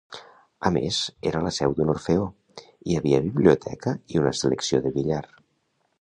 A més, era la seu d'un orfeó, hi havia biblioteca i una secció de billar.